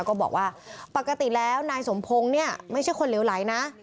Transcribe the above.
ก็บอกว่าปกติแล้วนายสมพงศ์เนี่ยไม่ใช่คนเหลวไหลนะ